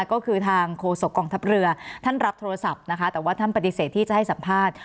ก็คือทางโฆษกองทัพเรือท่านรับโทรศัพท์นะคะแต่ว่าท่านปฏิเสธที่จะให้สัมภาษณ์